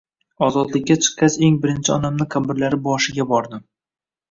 Ozodlikga chiqgach eng birinchi onamni qabrlari boshiga bordim